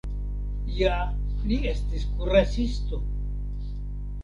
Ja li estis kuracisto.